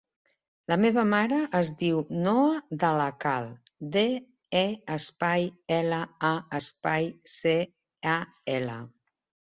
La meva mare es diu Noa De La Cal: de, e, espai, ela, a, espai, ce, a, ela.